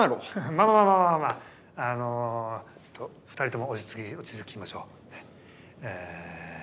まあまあまああのちょっと二人とも落ち着き落ち着きましょう。ね。